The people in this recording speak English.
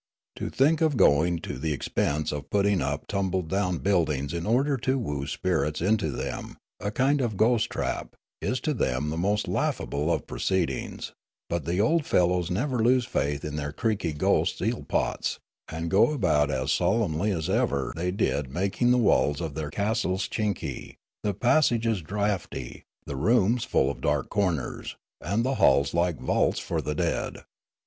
To think of going to the expense of put ting up tumble down buildings in order to woo spirits into them, a kind of ghost trap, is to them the most laughable of proceedings ; but the old fellows never lose faith in their creaky ghost eelpots, and go about as solemnly as ever they did making the walls of their castleschinky, the passages draughty, the rooms full of dark corners, and the halls like vaults for the dead.